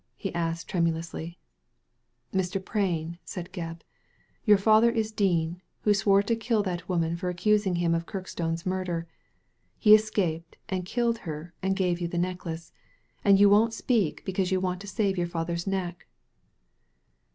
he asked tremulously, "Mr. Prain," said Gebb. "Your father is Dean, who swore to kill that woman for accusing him of Kirkstone's murder. He escaped and killed her and gave you the necklace, and you won't speak because you want to save your father's neck."